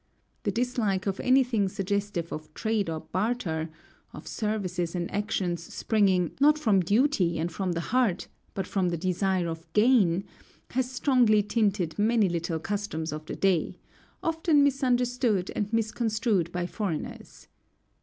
The dislike of anything suggestive of trade or barter of services and actions springing, not from duty and from the heart, but from the desire of gain has strongly tinted many little customs of the day, often misunderstood and misconstrued by foreigners.